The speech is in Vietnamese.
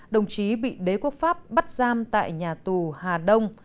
đồng chí bị đế quốc pháp bắt giam tại nhà tù hà đông